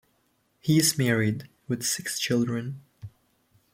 He is married, with six children.